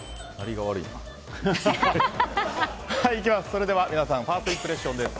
それでは皆さんファーストインプレッションです。